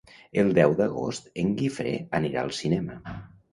El deu d'agost en Guifré anirà al cinema.